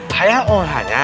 hanya oh hanya